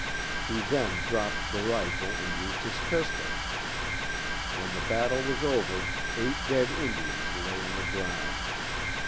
He then dropped the rifle and used his pistol. When the battle was over, eight dead Indians lay on the ground.